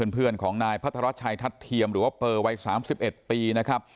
เพื่อนของนายพัทรชัยทัศน์เทียมหรือว่าเปอร์วัย๓๑ปีนะครับ